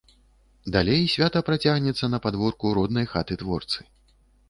Далей свята працягнецца на падворку роднай хаты творцы.